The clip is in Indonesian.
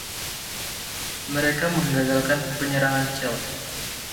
Mereka menggagalkan penyerangan Celt.